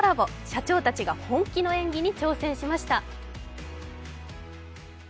社長たちが本気の演技に挑戦しました。